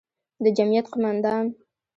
د جمعیت قوماندان،